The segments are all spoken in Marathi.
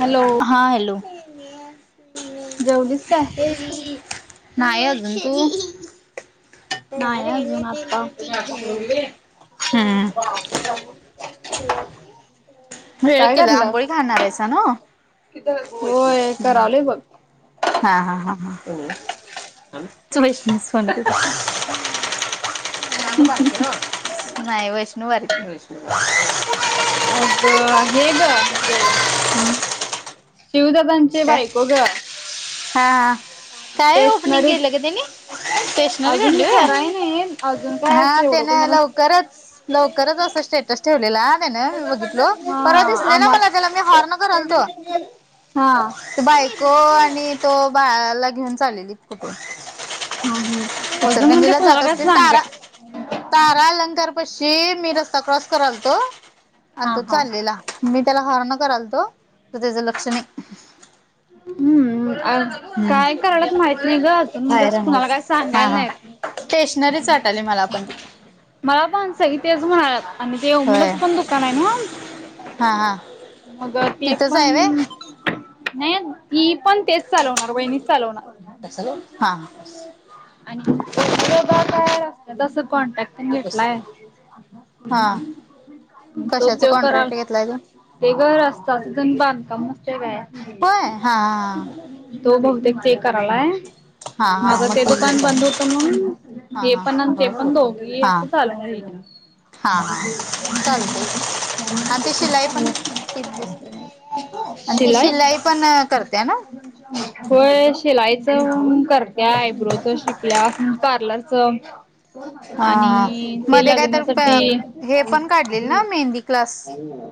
हॅलो? हां, हॅलो? जेवलीस काय? नाही अजून तू नाही अजून आता हम्म. भेळ काय केला करलास आंबोळी खाणार आहेचा ना. होय करालोय बघ. हा हा हा. [unintelligible] नाय वैष्णो बारकी. अगं हे गं वे शिव दादानं चे काय बायको गं. हा. काय ओपनिंग स्टेशनरी केलं क त्यांनी स्टेशनरी अजून काढली कराय वय, नाही अजून काय हा असं एवढं त्याने कोणाला लव करच लवकरच असं स्टेटस ठेवलेला त्याने मी बघितलो परवा हा दिसलेला आम मला त्याला मी हॉर्न हा. ते बायको आणि तो बाळाला घेऊन चालेली कुठून. अजून म्हणजे उचरखंडीला कुणाला जात काय असतील सांगा तारा तारा अलंकार पशी मी रस्ता क्रॉस करालतो हा आणि तो हा चाललेला. मी त्याला हॉर्न करालतो तर त्याचं लक्ष नाही. हम्म हम्म काय आह करायलात माहिती नाही गं अजून म्हणजे बाहेर असं कुणाला काही रंगवायचं हा सांगायला हा नाही. स्टेशनरीच वाटाली मला पण ती. मला पण सगळी तेच म्हणाल्यात आणि ते होय उमलाचं पण दुकान आहे ना. हा हा. मगं ती तिथंच पण आहे व्हय नाही ही पण तेच चालवणार वहिणीच चालवणार. हा आणि [inaudible] असतं तसं कॉन्टॅक्ट नीटला आहे हा त्या ते कराल. लाय गं ते गर असतात तून बांधता मस्त आहे बाय. होय हा तो बहुतेक ते करायलाय. हा हा हा हा माझं मग ते ती हे दुकान बंद करणार होतं म्हणून हा हे पण आन ते हा पण दोघी हा असं चालवणार आहे की. हा हा चालते की आणि ते शिलाई पण तीत बसले आहे आणि ते शिलाई पण करत्या ना. होय शिलाईचां अम करत्या आयब्रोचा शिकल्यास पार्लर चा हा आणि हा ते मध्ये काय तर लग्नासाठी हे पण काढलेल ना मेहंदी क्लास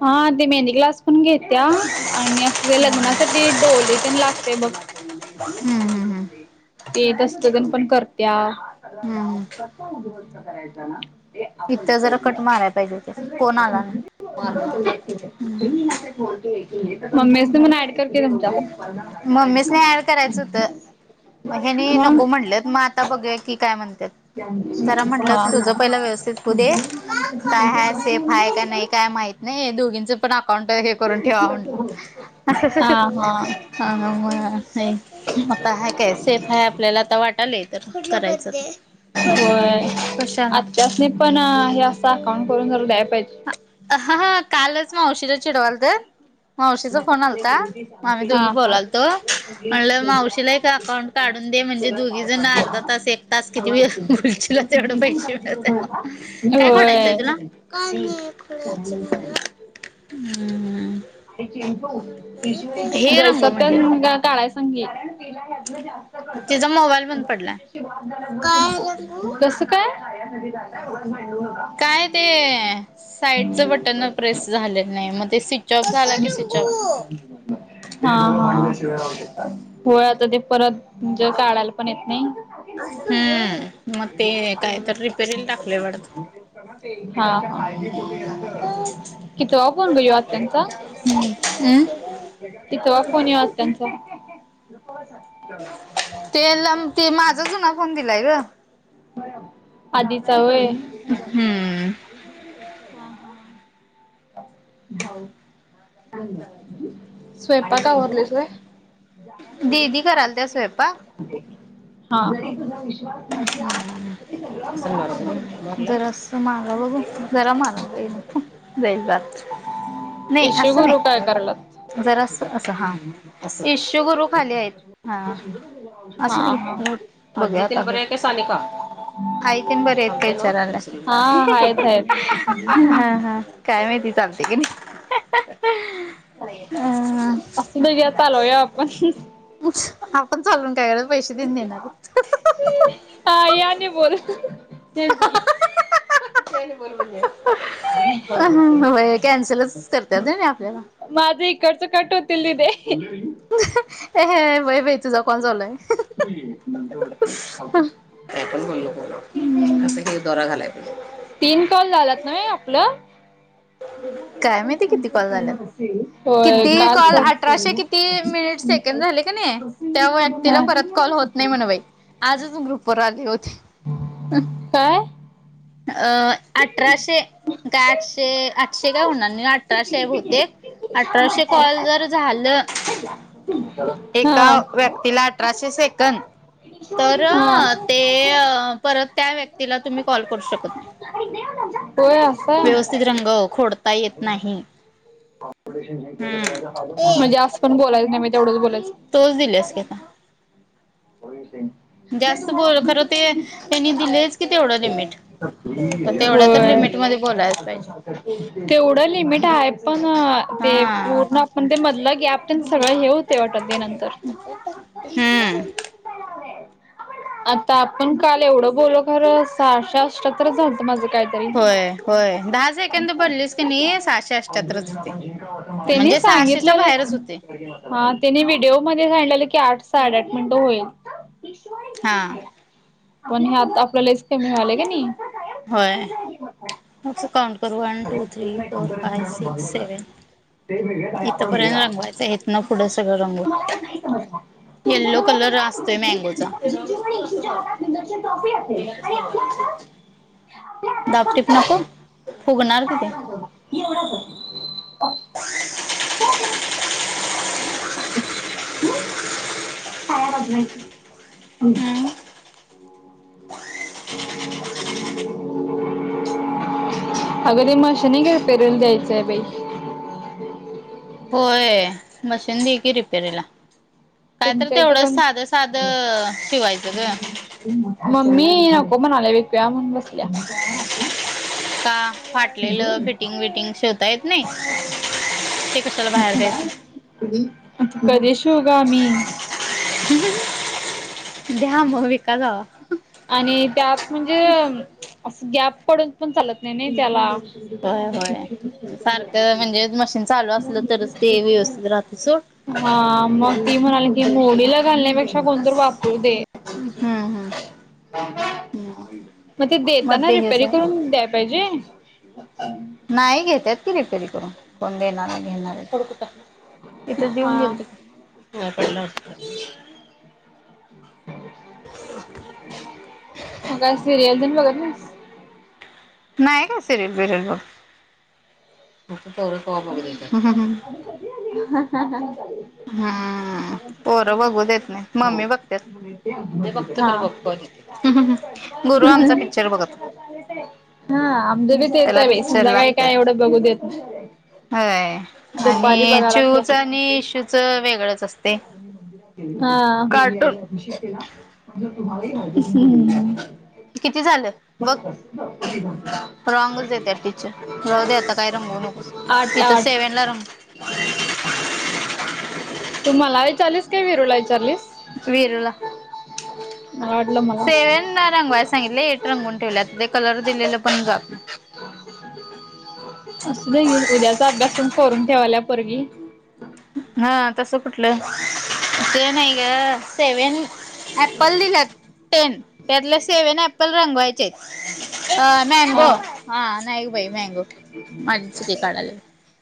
हा ते मेहंदी क् लास पण घेत्या आणि असं वे लग्नासाठी डोली तेन लागते बघ हम्म हम्म. हम्म ते येत तस्त गण पण करत्या. हम्म हम्म तो उगवष्ट करायचा ना. इथं जरा कट मारयला पाहिजे तेच कोण आला नाही. [unintelligible] मम्मीसे म्हणा ऍड करते तुमच्या. हेनी मग नको म्हणलेत म आता बघू या की काय म्हणत्यात. जरा म्हटलं हा तुझं पहिलं व्यवस्थित होऊ दे काय हाय सेफ आहे का नाही काय माहिती. नाही हे दोघींचं पण अकाउंट हे करून ठेवा म्हटलं. हा हा हा म हा हाय. आता ह काय सेफ आहे आपल्याला आता वाटालय तर करायचं. खोड नंबर दे! कशाला? नाही पण हे असं अकाउंट करून जर द्याय पाहिजे. हा हा कालच मावशील चिडवाल त. मावशीचा फोन आलता आम्ही हा, दोघी हा. बोलालतो म्हणलं मावशीला एक अकाउंट. काढून दे म्हणजे दोघी जण अर्धा तास एक तास किती खुर्चीला तेवढं पैसे मिळत. काय खोडायचंय तुला होय. [unintelligible] हे जय रंग म्हणले ना सत्यन काय सांग की. तिचा मोबाईल बंद पडलाय काय रंगू तस काय. नाही ते साईडच बटन प्रेस झालेलं नाही मग ते सि स्च ऑफ झाला की स्विच ऑफ. हा हा. होय आता ते परत म्हणजे काढायला पण येत नाही. म ते कायत रिपे हा हा. कितवा फोन ग ह्यो? त्यांचा हम्म कितवा फोन ह्यो आत्यांचा? ते लांब ते माझा जुना फोन दिलाय ग. [inaudible] आधीचावय. हम्म. हा हा स्वयंपाक आवरलीस व्होय. दीदी करालत्या स्वयंपाक. हा. जरासं मारा बघू जरा मरा लय नको. जाईलबात नाही इशू असं गुरु काय करायल्यात? नाहीत. जरा अस अस हा इशुगुरु खाली आहेत हा असू हा घ बघूया आता. सानिका. आई तेन बरी आहेत का हा हा आहेत विचारल्या. आहेत. हा काय माहिती चालते की नाही. अ असं दु घ्या चालवूया आपण. आपण चालून काय करायचं पैसे देऊन देणार. हा याने बोल. [unintelligible] कॅन्सलच करतात होय नहि आपल्याला. माझं इकडचं कट होतील दि देे. हे हे होय होय तुझा कॉल चालू आहे. का पण भोललो असं क दरा घालाय. तीन कॉल झालात नंवे आपलं. काय मीती किती कॉल झालेत होय किती कालच कॉल अठराशे किती. किती मिनिट सेकंड झाले का नाही त्या व्यक्तीला परत कॉल होत नाही म्हण बाई. आजच ग्रुपर आले होते. काय? अ अठराशे काय आठशे आठशे काय होणार नाही अठराशे हाय बहुतेक. अठराशे कॉल जर झालं. एका हा. व्यक्तीला अठराशे सेकंद, तर हा. ते परत त्या व्यक्तीला तुम्ही कॉल करू शकत नाही. होय असं आहे. व्यवस्थित रंगव, खोडता येत नाही. हम्म म्हणजे असज पण बोलायच नाही, मी तेवढंच बोलायचं तोच दिल्यास की आता [inaudible] जास्त बोल, खर ते त्यांनी दिलेयच कि तेवढं लिमिट. तेवढ्या तर होय. लिमिट मध्ये बोलायच पाहिजे तेवढं लिमिट आहे, पण ते हा पूर्ण आपण ते म्हधलं गॅप्प तेन सगळं हे होतय वाटत ते नंतर हम्म आता आपण काल एवढं बोलो खरं, सहाशे अष्ट्यातरच झालत माझं काय तरी होय होय दहा सेकंद भरलीस की नाही सहाशे [inaudible] अष्ट्याहत्तरच होते. त्यांनी म्हणजे सहाशेच्या सांगितलेलं [inaudible] बाहेरच होते हा, त्याने व्हिडिओ मध्ये सांगलेलं की, आठ साडेआठ मिनिटं होईल. हां. पण हे आता आपल लईच कमी व्हालय क नई? होय, अस काउंट करू, one, two, three, four, five, six, seven इथपर्यंत रंगवायचं, इथनं पुढं सगळं रंग [unintelligible] येल्लो कलर असतोय, मँगोचा. दापटिप नको, फुगणार की ते की एवढासाच [inaudible] [unintelligible] [inaudible] [unintelligible] [inaudible] हम्म [unintelligible] [inaudible] अग ते मशीन एक [unintelligible] द्यायचंय बाई होय, मशीन दे की रिपेरीला. काय तर तुमच्या इथं तेवढंच, कोण साधं-साध शिवायचं ग. मम्मी नको म्हणाल्या बाई, विकूया म्हणून बसल्या का? फाटलेलं, फिटिंग विटिंग, शिवता येत नाही? ते कशाला बाहेर द्यायचं कधी शिवू ग आम्ही? द्या मग, विका जावा. आणि त्यात म्हणजे, अस गॅप पडून पण चालत नाही ना त्याला. होय होय सारखं म्हणजे मशीन चालू असलं तरच ते व्यवस्थित राहते सोड. [unintelligible] [inaudible] हा, मग ती म्हणाल्या की, मोडीला घालण्यापेक्षा कोण तरी वापरु दे. हम्म हम्म. मग ते मग देताना ते हेच रिपेरी आहे करून द्याय पाहिजे? नाही घेत्यात की, रिपेरी करून. कोण देणार ये घेणार आहे, [unintelligible] इथं देऊन हा. गेलत, पडलं मग काय, सिरियल तेन बघत नाहीस? नाही काय, सिरयल बिरयल ब बघत. तेवढं कवा बगूदे [unintelligible] [inaudible] हा. [unintelligible] हम्म पोरं बघू देत नाहीत मम्मी बघत्यात. मी बघतो खरं बघतो गुरु आमचा पिक्चर बघत हां आमचबी तेच त्याला हाय बाई. पिक्चर संध्याकाळी लागत्यात. काय एवढं बघू देत नाई. होय. दुपारी आणि बघा लागते चिऊच हां. आणि इशूच वेगळंच असते. कार्टून किती झालं [unintelligible] [unintelligible] रॉंगगच देत्यात टीचर जाऊ दे आता काय नको म्हणू. आट-आट. तु मला ईचारलीस का विरूला ईचारलीस? विरूला मला वाटलं मला सेवन रंगवा सांगितलं एट रंगून ठेवल्या ते कलर दिलेलं पण ग [inaudible] असंल हील उद्याचा अभ्यासून करून ठेवायल्या पोरगी. हा तस कुठलं ते नाही ग सेवेन ॲप्पल दिल्यात टेन त्यातला सेव्हन ॲप्पल रंगवायच अ मँगो हा हा नाही बाई मँगो माझी चुकी काढालात [inaudible] [inaudible]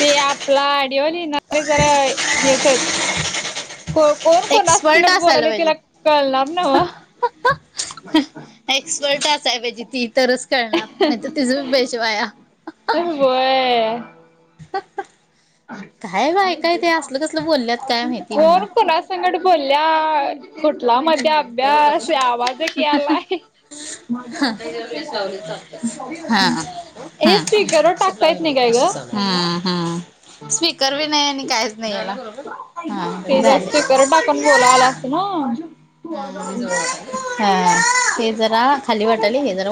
ते आपला आडिओलीे जरा हे तोय को कोण कोणा एक्सपर्ट संगर असायला बोलाले तिला पाहिजेत. कळत न लाभ नव्ह वा एक्सपर्ट असाय पाहिजे ती तरच करणार नाही तर तिची पेशवाया होय. काय बायकाय ते असलं कसलं बोलल्यात काय माहिती म्हणा. संकट बोलल्या कुठला मध्ये अभ्यास या लेस आवाज क आलाय [unintelligible] लावले चालते हा हेच स्वीकर वर टाकता येत नाही हम्म काय असं ग? चाल हम्म हम्म स्पी करवी नाही आणि काहीच नाही याला हा ते जर झालं. स्पीकर टाकून हा [unintelligible]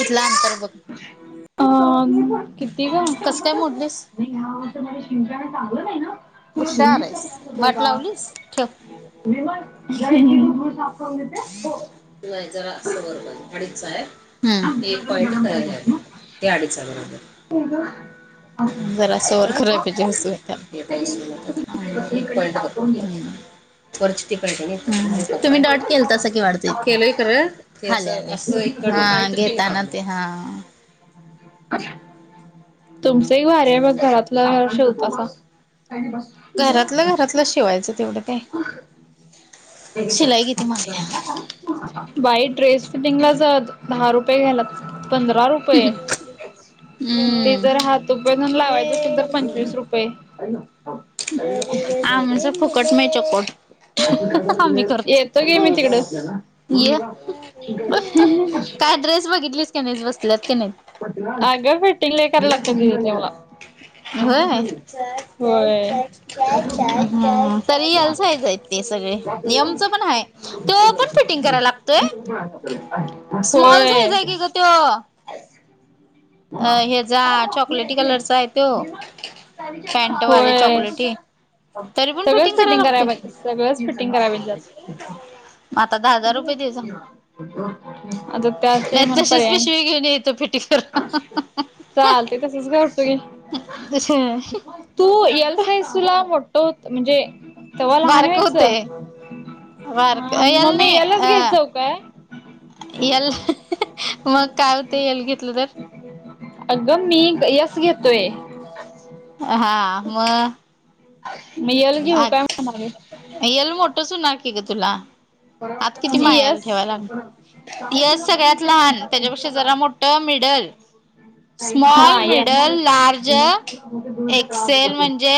इथला अंतर बघ. अ म किती ग? कसं काय मोडलीस नाही हा असं मला शिंकाण चांगलं नाही ना तुला हुशार धुणीचा आहेस त्रास होतय वाट का? लावलीस ठेव [unintelligible] नाही जरा अस वर पाहिजे अडीच आहे हं एक पॉईन्ट खाली आले ते अडीच आहे बरोबर. [unintelligible] जरास [unintelligible] एक पॉईंट [unintelligible] वरची टिक तुम्ही डॉट केलतासं की वाढतय केलंय खरं. हा घेताना ते हा. [inaudible] तुमचं एक वार वर घरातलं शेवतसा? घरातलं घरातलं शिवायचं तेवढं काय शिलाई किती महाग य. बाई ड्रेस फिटिंगलाच जर दहा रुपये घ्यालात पंधरा रुपये ते जर हात हम्म तुपे चन लावायचं असेल तर पंचवीस रुपये. आमच फुकट नाय चकोट आम्ही करत येतो गे मी तिकडं. ये काय ड्रेस बघितलीस? त्यांनीच बसल्यात की नाहीत. अगं फिटिंग लय करायला लागतय [unintelligible] ह [inaudible] होय होय. हा तरी एल साईजयेत. ते सगळे नि एमचा पण आहे तो पण फिटिंग करायला लागतोय? स्मॉल होय साईज हाय की ग त्यो. अ ह्याजा चॉकलेटी कलरचा आहे तो. पॅन्टवाले होय. चॉकलेटी तरी पण सगळंच करायला फिटिंग कराय लागतोय पाहिजे सगळंच फिटिंग कराय पाहिजे. मग आता दहा हजार रुपये द्यायचा आता त्याशिवाय नाही म्हण तशीच पर्याय पिशवी घेऊन येतो फिटिंग चालते तसच घालता येईल. करून तू यल साईस तुला मोठो म्हणजे तव्हा लहान बारक व्हयचं होतय बारक मग एल मी नाही एलच घेत अ जाऊ काय? एल मग काय होते एल घेतलं तर अगं मी एक यस घेतोय. ह [inaudible] अहा म म यल घेऊ का? [unintelligible] येल मोठच होणार की ग तुला आत किती म्हणजे माया यस ठेवाया लाग येस सगळ्यात लहान त्याच्यापेक्षा जरा मोठ मिडल हा स्मॉल या मिडल लार्ज एक्सेल म्हणजे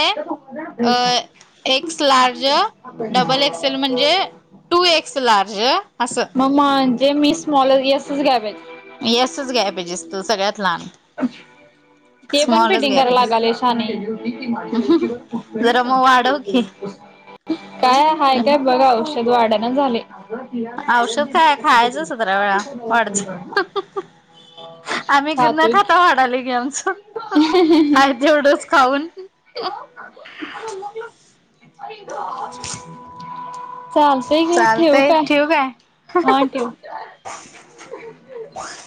अ एक्स लार्ज डबल एक्सेल म्हणजे टू एक्स लार्ज असं मग म्हणजे मी स्मॉल येसच घ्यावेत. येसच घ्याया पाहिजेस तू सगळ्यात लहान. ते पण स्मॉलच फिटिंग घ्याय करायला पाहिजेस लागेल शाने. जरा मग वाढव की काय हाय काय बघा औषध वाढेना झाले. आ ति औषध अलर्जी काय खायचं [unintelligible] सतरा वेळा वाढच हा तूय [unintelligible] आता वाढायले की आमचं आहे तेवढंच खाऊन ग मग [unintelligible] चालतंय की ओ ठेवू चालतंय का? काय? हा ठेव. [inaudible]